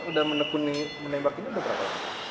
kamu udah menekuni menembak ini berapa